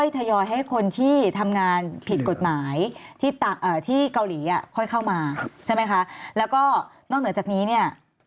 ใช่ไหมคะแล้วก็นอกเหนือจากนี้